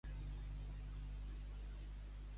A Ebo, els socarrats del carbó de la muntanya.